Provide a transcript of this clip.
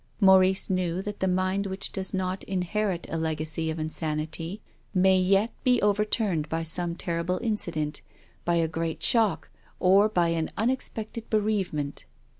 Maurice knew that the mind which does not inherit a legacy of insanity may yet be overturned by some terrible incident, by a great shock, or by an unexpected bereavement.